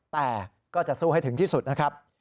แต่ก็จะสู้ให้ถึงที่สุดนะครับ